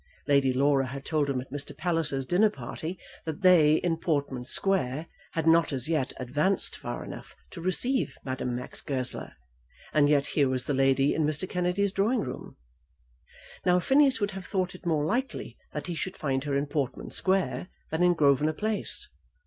Lady Laura had told him at Mr. Palliser's dinner party that they, in Portman Square, had not as yet advanced far enough to receive Madame Max Goesler, and yet here was the lady in Mr. Kennedy's drawing room. Now Phineas would have thought it more likely that he should find her in Portman Square than in Grosvenor Place.